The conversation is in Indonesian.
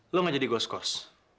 lo nggak jadi go scores